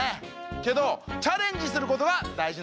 けどチャレンジすることがだいじなんだよ。